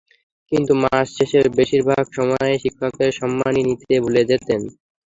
কিন্তু মাস শেষে বেশির ভাগ সময়েই শিক্ষকের সম্মানী নিতে ভুলে যেতেন।